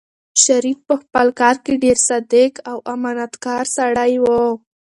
شریف په خپل کار کې ډېر صادق او امانتکار سړی و.